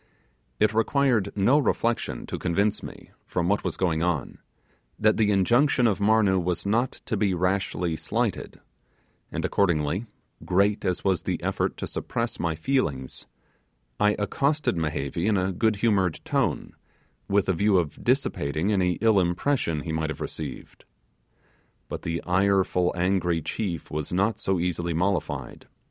It required no reflection to convince me, from what was going on, that the injunction of Marnoo was not to be rashly slighted; and accordingly, great as was the effort to suppress my feelings, I accosted Mehevi in a good humoured tone, with a view of dissipating any ill impression he might have received. But the ireful, angry chief was not so easily mollified.